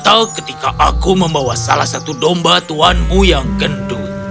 mengedipkan mata ketika aku membawa salah satu domba tuhanmu yang gendut